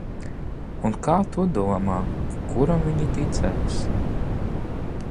Un, kā tu domā, kuram viņi ticēs?